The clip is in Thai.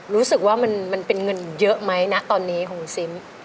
รู้สึกว่ามันเป็นเงินเยอะไหมนะตอนนี้ของคุณซิม